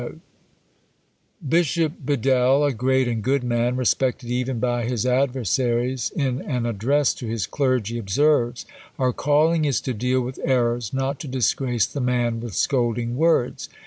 Bishop Bedell, a great and good man, respected even by his adversaries, in an address to his clergy, observes, "Our calling is to deal with errors, not to disgrace the man with scolding words.